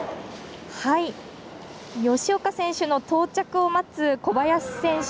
吉岡選手の到着を待つ小林選手。